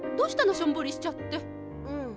しょんぼりしちゃって。うん。